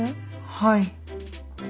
はい。